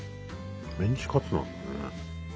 メンチカツなんだね。